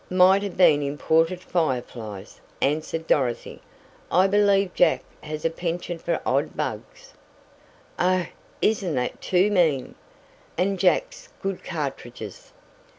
"Might have been imported fire flies," answered Dorothy. "I believe Jack has a penchant for odd bugs!" "Oh, isn't that too mean!" "And Jack's good cartridges!"